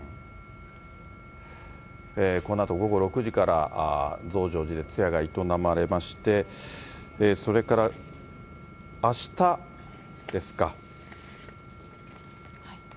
このあと午後６時から、増上寺で通夜が営まれまして、それから、あしたですか。